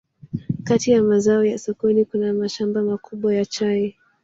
Kati ya mazao ya sokoni kuna mashamba makubwa ya chai